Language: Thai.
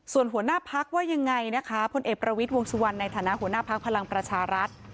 ส่วนหัวหน้าพักว่ายังไงนะคะพลเอกประวิทย์วงสุวรรณในฐานะหัวหน้าพักพลังประชารัฐ